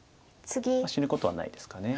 死ぬことはないですか。